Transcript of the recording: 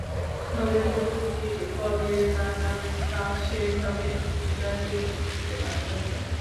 তবে পুরোপুরি কবে নাগাদ কাজ শেষ হবে, এটা তিনি বলতে পারছেন না।